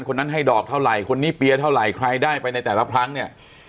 คนนั้นให้ดอกเท่าไหร่คนนี้เปียร์เท่าไหร่ใครได้ไปในแต่ละครั้งเนี่ย